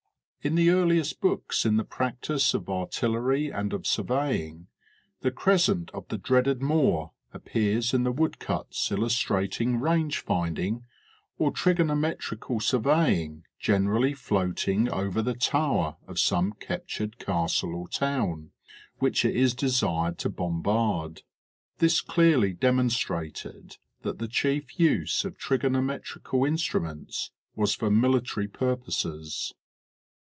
In the earliest books in the practice of artillery and of survey ing, the crescent of the dreaded Moor appears in the woodcuts illustrating range finding or trigonometrical surveying generally floating over the tower of some captured castle or town, which it 1s desired to bombard. This clearly demonstrated that the chief use of trigonometrical instruments was for military pur poses.